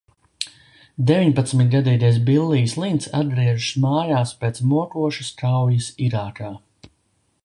Deviņpadsmitgadīgais Billijs Linns atgriežas mājās pēc mokošas kaujas Irākā.